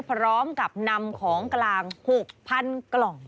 พร้อมกับนำของกลาง๖๐๐๐กล่อง